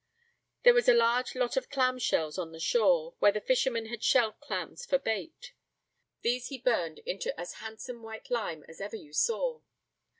There was a large lot of clam shells on the shore, where the fishermen had shelled clams for bait. These he burned into as handsome white lime as ever you saw.